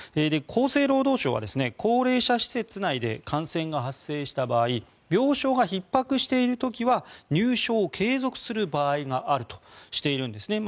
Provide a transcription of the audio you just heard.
厚生労働省は高齢者施設内で感染が発生した場合病床がひっ迫している時は入所を継続する場合があるとしているんです。